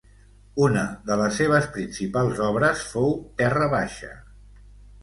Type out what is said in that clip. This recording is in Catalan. Una de les seves principals obres fou Terra baixa.